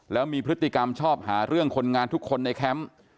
แล้วมีพฤติกรรมชอบหาเรื่องคนงานทุกคนในแคมป์